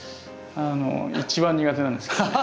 あの一番苦手なんですけどね。